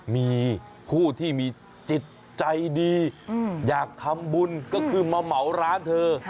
มีผู้ที่มีจิตใจดีอยากทำบุญก็คือมาเหมาร้านเธอ